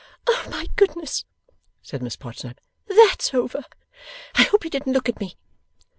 'Oh my goodness,' said Miss Podsnap. 'THAT'S over! I hope you didn't look at me.